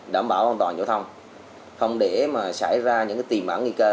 đảm bảo an toàn giao thông không để xảy ra những tìm ẩn nghi cơ